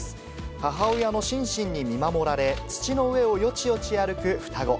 母親のシンシンに見守られ、土の上をよちよち歩く双子。